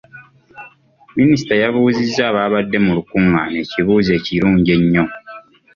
Minisita yabuuzizza abaabdde mu lukungaana ekibuuzo ekirungi ennyo.